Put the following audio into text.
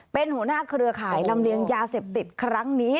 เป็นหัวหน้าเครือข่ายลำเลียงยาเสพติดครั้งนี้